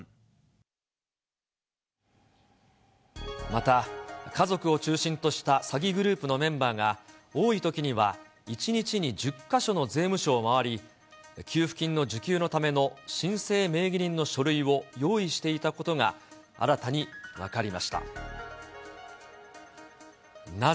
また、家族を中心とした詐欺グループのメンバーが多いときには１日に１０か所の税務署を回り、給付金の受給のための申請名義人の書類を用意していたことが、新たに分かりました。